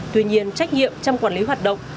tuy nhiên trách nhiệm trong quản lý hoạt động